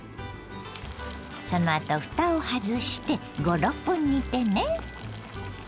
そのあとふたを外して５６分煮てね。